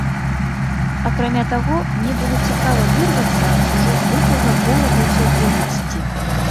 Акрамя таго, мне было цікава вырвацца з ужо звыклага кола паўсядзённасці.